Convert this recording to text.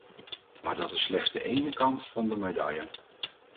Maar dat is slechts de ene kant van de medaille.